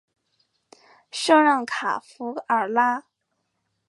圣让卡弗尔拉。